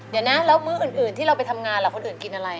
เดี๋ยวนะแล้วมื้ออื่นที่เราไปทำงานล่ะคนอื่นกินอะไร